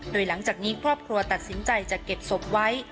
โดยหลังจากนี้ครอบครัวตัดสินใจจะเก็บศพไว้